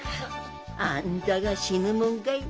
あんたが死ぬもんかい。